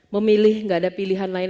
memilih nggak ada pilihan lain